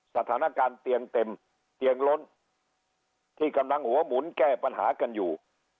สถานการณ์เตียงเต็มเตียงล้นที่กำลังหัวหมุนแก้ปัญหากันอยู่